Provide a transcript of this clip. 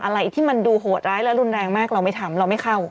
อะไรที่มันดูโหดร้ายและรุนแรงมากเราไม่ทำเราไม่เข้า